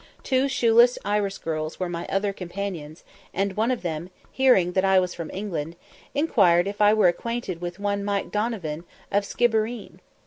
Two shoeless Irish girls were my other companions, and one of them, hearing that I was from England, inquired if I were acquainted with "one Mike Donovan, of Skibbereen!"